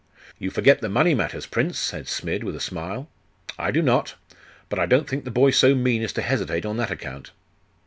'You forget the money matters, prince,' said Smid, with a smile. 'I do not. But I don't think the boy so mean as to hesitate on that account.